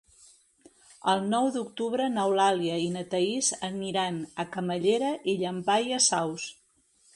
El nou d'octubre n'Eulàlia i na Thaís aniran a Camallera i Llampaies Saus.